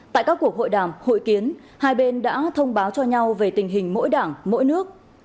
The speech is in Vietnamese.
tại các cuộc hội đàm hội kiến hai bên đã thông báo cho nhau về tình hình mỗi đảng mỗi nước